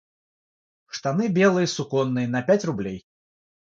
Штаны белые суконные на пять рублей.